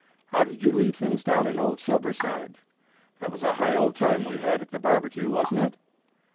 How did you leave things down in old Silverside? That was a high old time we had at the barbecue, wasn't it?